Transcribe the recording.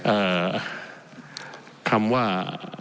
เอ่อคำว่า